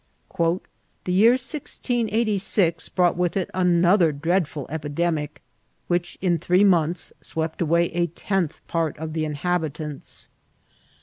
" The year 1686 brought with it another dreadful ep idemic, which in three months swept away a tenth part of the inhabitants."